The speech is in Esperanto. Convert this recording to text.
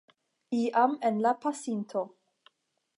Iam en la pasinto.